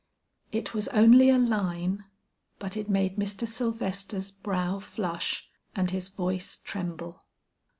It was only a line; but it made Mr. Sylvester's brow flush and his voice tremble.